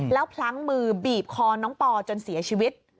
แล้วพลั้งมือบีบคอน้องปอจนเสียชีวิต